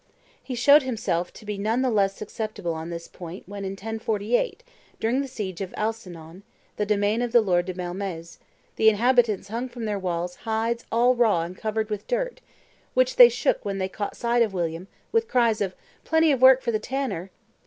He showed himself to be none the less susceptible on this point when in 1048, during the siege of Alencon, the domain of the Lord de Bellesme, the inhabitants hung from their walls hides all raw and covered with dirt, which they shook when they caught sight of William, with cries of "Plenty of work for the tanner!"